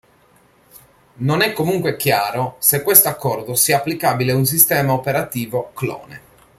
Non è comunque chiaro se questo accordo sia applicabile ad un sistema operativo "clone".